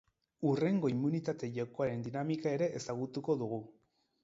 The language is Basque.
Hurrengo immunitate jokoaren dinamika ere ezagutuko dugu.